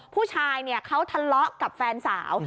ผู้ชายเขาทะเลาะกับแฟนสาว